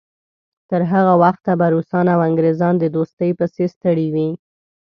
تر هغه وخته به روسان او انګریزان د دوستۍ پسې ستړي وي.